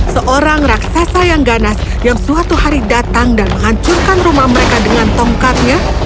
seorang raksasa yang ganas yang suatu hari datang dan menghancurkan rumah mereka dengan tongkatnya